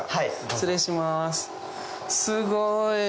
失礼します。